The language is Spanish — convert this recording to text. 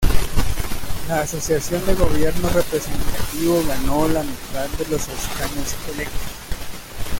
La Asociación de Gobierno Representativo ganó la mitad de los escaños electos.